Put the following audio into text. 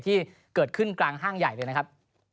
ที่เกิดขึ้นกลางห้างใหญ่เลยนะครับ